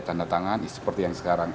tanda tangan seperti yang sekarang